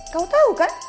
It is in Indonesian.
kau tau kan